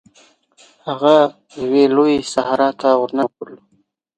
هغه یوې لويي صحرا ته ورننوتلو.